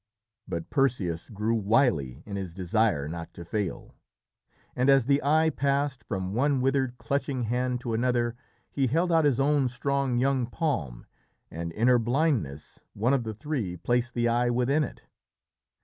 But Perseus grew wily in his desire not to fail, and as the eye passed from one withered, clutching hand to another, he held out his own strong young palm, and in her blindness one of the three placed the eye within it.